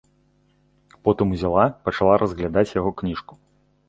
Потым узяла, пачала разглядаць яго кніжку.